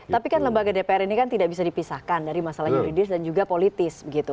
tapi kan lembaga dpr ini kan tidak bisa dipisahkan dari masalah yuridis dan juga politis begitu